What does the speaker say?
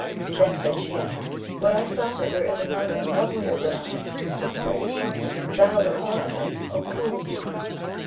Then said she, 'What I suffer there is another, lovelier than I, suffering; thou the cause of it, O cruel youth!'